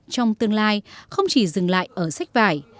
trong tương lai không chỉ dừng lại ở sách vải